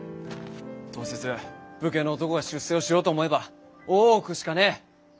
当節武家の男が出世をしようと思えば大奥しかねえ。